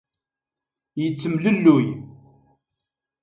Yettemlelluy.